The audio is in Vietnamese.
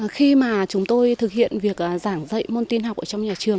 khi mà chúng tôi thực hiện việc giảng dạy môn tin học